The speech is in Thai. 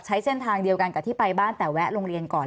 ใช้เส้นทางเดียวกันกับที่ไปบ้านแต่แวะโรงเรียนก่อน